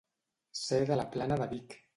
Ser de la Plana de Vic.